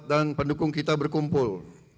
dan pendukung kita berkumpul